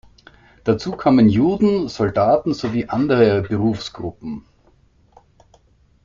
Dazu kamen Juden, Soldaten sowie andere Berufsgruppen.